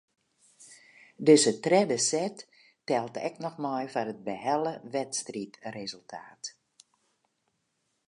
Dizze tredde set teld ek noch mei foar it behelle wedstriidresultaat.